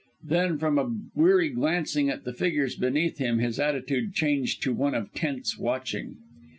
Then, from a weary glancing at the figures beneath him, his attitude changed to one of tense watching.